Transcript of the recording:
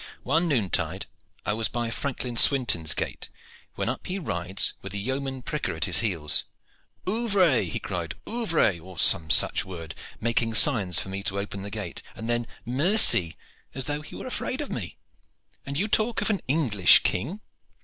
One noontide I was by Franklin Swinton's gate, when up he rides with a yeoman pricker at his heels. 'Ouvre,' he cried, 'ouvre,' or some such word, making signs for me to open the gate; and then 'Merci,' as though he were adrad of me. And you talk of an English king?"